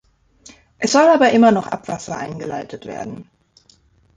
Es soll aber immer noch Abwasser eingeleitet werden.